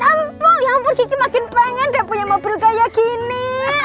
ya ampun ya ampun gigi makin pengen udah punya mobil kayak gini